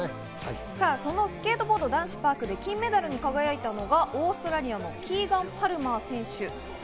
スケートボード男子パークで金メダルに輝いたのが、オーストラリアのキーガン・パルマー選手。